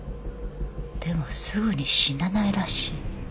でもすぐに死なないらしい。